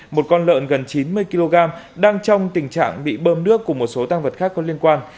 một con lợn gần chín mươi kg đang trong tình trạng bị bơm nước cùng một số tăng vật khác có liên quan